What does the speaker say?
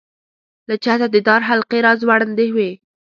له چته د دار حلقې را ځوړندې وې.